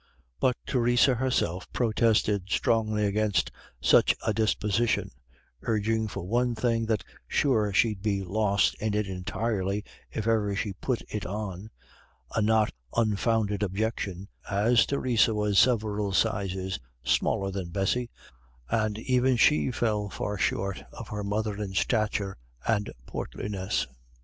But Theresa herself protested strongly against such a disposition, urging for one thing that sure she'd be lost in it entirely if ever she put it on; a not unfounded objection, as Theresa was several sizes smaller than Bessy, and even she fell far short of her mother in stature and portliness.